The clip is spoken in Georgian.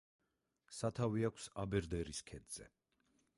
სათავე აქვს აბერდერის ქედზე.